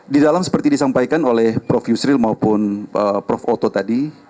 di dalam seperti disampaikan oleh prof yusril maupun prof oto tadi